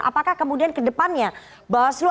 apakah kemudian kedepannya bawaslu